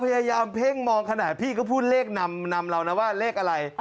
ตามเพ่งมองขนาดพี่ก็พูดเลขนำนำเรานะว่าเลขอะไร